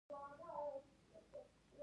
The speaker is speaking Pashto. زه پوهېږم چې ټوله ګناه د مينې ده.